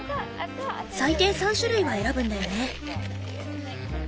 最低３種類は選ぶんだよね。